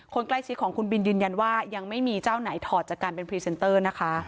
คนใกล้ชิดของคุณบินยืนยันว่ายังไม่มีเจ้าไหนถอดจากการเป็นพรีเซนเตอร์นะคะ